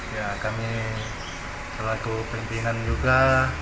ya kami selaku pimpinan juga